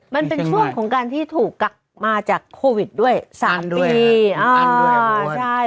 มันเป็นช่วงของการที่ถูกกักมาจากโควิดด้วย๓ปี